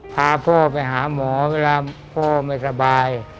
พาพ่อไปหาหมอเวลาพ่อไม่สบาย